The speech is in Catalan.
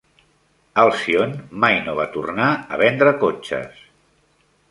Alcyon mai no va tornar a vendre cotxes.